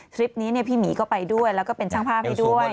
คลิปนี้พี่หมีก็ไปด้วยแล้วก็เป็นช่างภาพให้ด้วย